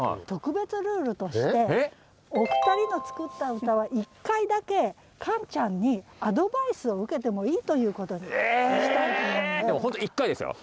特別ルールとしてお二人の作った歌は１回だけカンちゃんにアドバイスを受けてもいいということにしたいと思います。